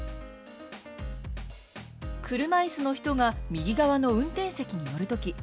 車いすの人が右側の運転席に乗るとき